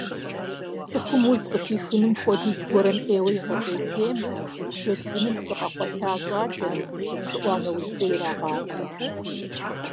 ЦӀыхум уз къыхихыным хуэдэу зыгуэрым Ӏейуэ игъэпӀейтеймэ, джэдгыным псы къэкъуалъэ щӀакӀэри, упщӏыӏуа нэужькӏэ ирагъафэ.